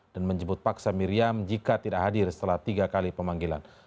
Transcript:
dan menjemput paksa miriam jika tidak hadir setelah tiga kali pemanggilan